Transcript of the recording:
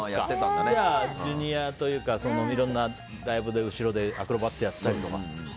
じゃあ、ジュニアというかいろんなライブで後ろでアクロバットやったりとか。